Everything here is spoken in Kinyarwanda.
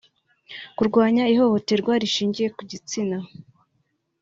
kurwanya ihohoterwa rishingiye ku gitsina